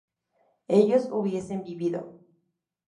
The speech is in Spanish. ellos hubiesen vivido